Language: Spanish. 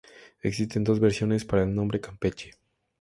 Existen dos versiones para el nombre Campeche.